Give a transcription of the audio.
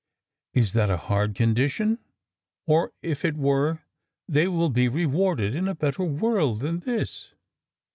"Is that a hard condition; or if it were, they will be rewarded in a better world than this?"